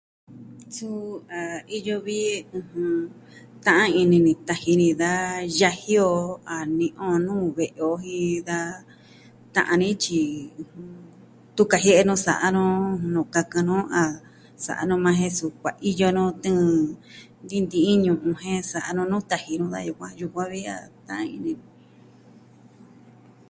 Suu a iyo vi ta'an ini ni taji ni da yaji o a ni'i on nuu ve'i o jin da ta'an ni tyi tun kajie'e nu sa'a nu nuu kakɨn nu a sa'a nu yukuan jen su kuaiyo nuu tɨɨn nti'in nti'in ñu'un jen sa'a nuu taji nu da yukuan. Yukuan vi a ta'an ini ni.